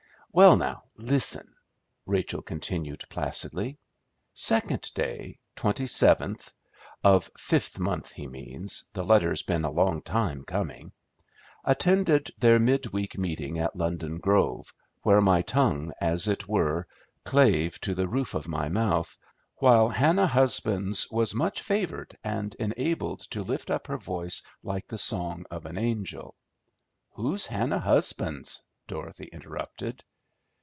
"Well now, listen." Rachel continued placidly, "'Second day, 27th' (of fifth month, he means; the letter's been a long time coming), 'attended their mid week meeting at London Grove, where my tongue, as it were, clave to the roof of my mouth, while Hannah Husbands was much favored and enabled to lift up her voice like the song of an angel'" "Who's Hannah Husbands?" Dorothy interrupted.